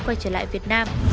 quay trở lại việt nam